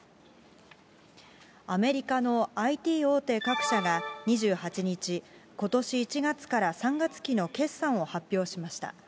アメリカのＩＴ大手各社が２８日、ことし１月から３月期の決算を発表しました。